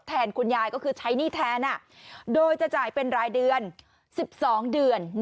แทนคุณยายก็คือใช้หนี้แทนโดยจะจ่ายเป็นรายเดือน๑๒เดือน